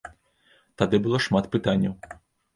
Тады было шмат пытанняў.